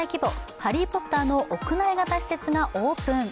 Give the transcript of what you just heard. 「ハリー・ポッター」の屋内型施設がオープン。